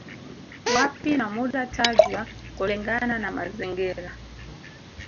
Wapi na muda tajwa kulingana na mazingira